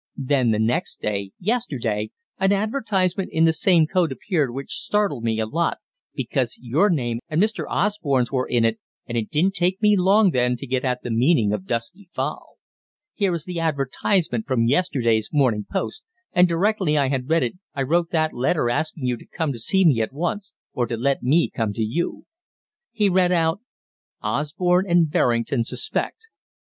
Then the next day yesterday an advertisement in the same code appeared which startled me a lot because your name and Mr. Osborne's were in it, and it didn't take me long then to get at the meaning of 'Dusky Fowl.' Here is the advertisement from yesterday's Morning Post, and directly I had read it I wrote that letter asking you to come to see me at once, or to let me come to you." He read out: "_Osborne and Berrington suspect.